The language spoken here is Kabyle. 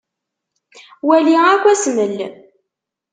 Wali akk asmel.